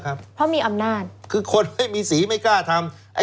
เพราะมีอำนาจคือคนไม่มีสีไม่กล้าทำ